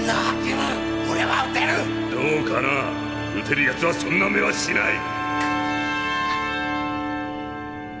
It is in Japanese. うてるやつはそんな目はしない！